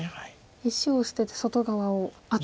石を捨てて外側を厚く。